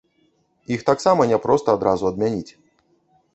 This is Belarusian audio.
Іх таксама няпроста адразу адмяніць.